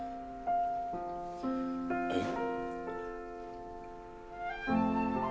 えっ。